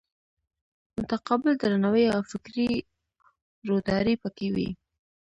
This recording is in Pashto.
متقابل درناوی او فکري روداري پکې وي.